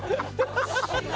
ハハハハ！